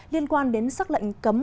liên quan đến xác lệnh cấm